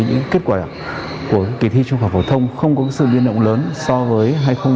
về cơ bản kết quả của kỳ thi trung học phổ thông không có sự biên động lớn so với hai nghìn hai mươi